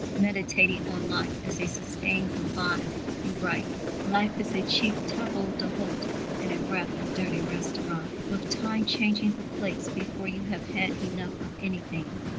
_ Meditating on life as "a sustained good bye," he writes: Life is a cheap table d'hôte in a rather dirty restaurant, with Time changing the plates before you have had enough of anything.